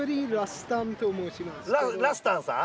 ラスタンさん。